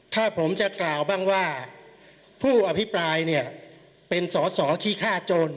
ถ้าผมจะกล่าวบ้างว่าผู้อภิปรายเนี่ยเป็นสอสอขี้ฆ่าโจร